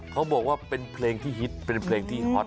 เขาบอกว่าเป็นเพลงที่ฮิตเป็นเพลงที่ฮอต